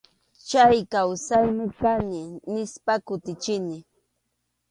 Chay kawsaymi kani, nispa kutichini.